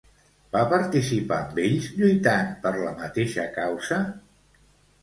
Va participar amb ells lluitant per la mateixa causa?